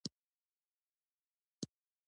غږیز کتابونه په ټوله نړۍ کې زیات مینوال لري.